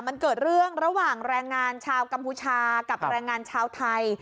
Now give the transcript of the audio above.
มันเกิดเรื่องระหว่างแรงงานชาวกัมพูชากับแรงงานชาวไทย